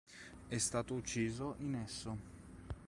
È stato ucciso in esso.